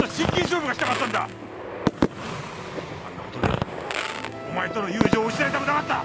あんな事でお前との友情を失いたくなかった！